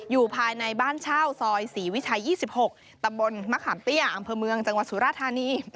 อยู่ภายในบ้านเช่าซอยศรีวิชัย๒๖ตำบลมะขามเตี้ยอำเภอเมืองจังหวัดสุราธานี